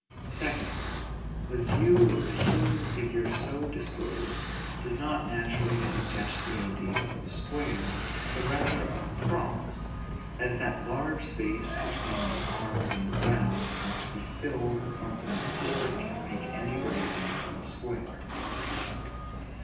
Secondly, the view of the human figure so disposed, does not naturally suggest the idea of a square, but rather of a cross; as that large space be tween the arms and the ground must be filled with something before it can make anybody think of a square.